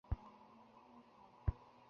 খুব করে ঝাঁকানি দিয়ে নিতে ইচ্ছে করে!